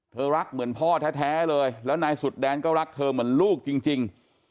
รักเหมือนพ่อแท้เลยแล้วนายสุดแดนก็รักเธอเหมือนลูกจริง